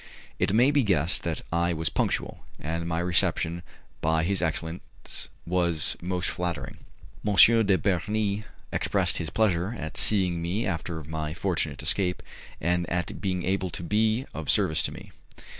It may be guessed that I was punctual, and my reception by his excellence was most flattering. M. de Bernis expressed his pleasure at seeing me after my fortunate escape, and at being able to be of service to me.